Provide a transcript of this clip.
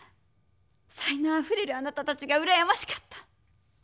才のうあふれるあなたたちがうらやましかった。